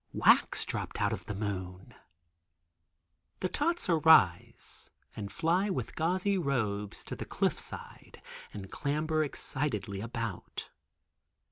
wax dropped out of the moon? The tots arise and fly with gauzy robes to the cliffside and clamber excitedly about.